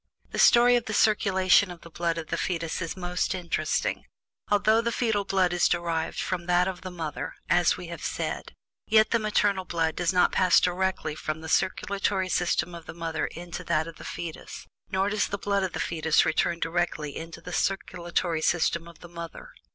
The story of the circulation of the blood of the fetus is most interesting. Although the fetal blood is derived from that of the mother, as we have said, yet the maternal blood does not pass directly from the circulatory system of the mother into that of the fetus; nor does the blood of the fetus return directly into the circulatory system of the mother.